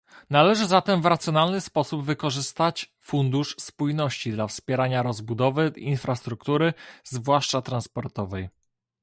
Należy zatem w racjonalny sposób wykorzystać Fundusz Spójności dla wspierania rozbudowy infrastruktury zwłaszcza transportowej